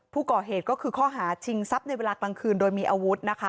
ผู้ก่อเหตุก็คือข้อหาชิงทรัพย์ในเวลากลางคืนโดยมีอาวุธนะคะ